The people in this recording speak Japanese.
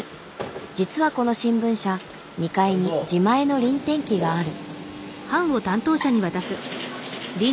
実はこの新聞社２階に自前の輪転機がある。